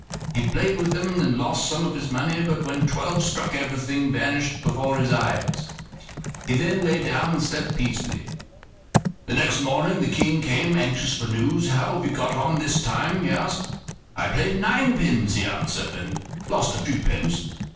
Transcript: He played with them and lost some of his money, but when twelve struck everything vanished before his eyes. He lay down and slept peacefully. The next morning the King came, anxious for news. "How have you got on this time?" he asked. "I played ninepins," he answered, "and lost a few pence."